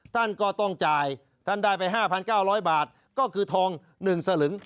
ท่านก็ต้องจ่ายท่านได้ไป๕๙๐๐บาทก็คือทอง๑สลึง